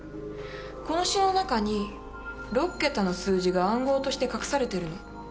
この詩の中に６桁の数字が暗号として隠されてるの。